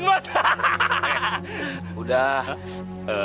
jangan kata hidupnya bangkitnya kubayarin mos